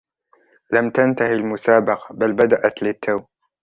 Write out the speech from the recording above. لم تنته المسابقة بل بدأت للتو